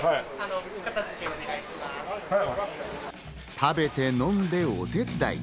食べて飲んでお手伝い。